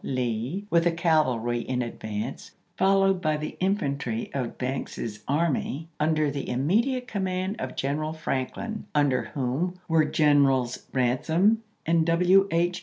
Lee with the cavalry in advance, followed by the infantry of Banks's army, under the immediate command of General Frank lin, under whom were Generals Ransom and W. H.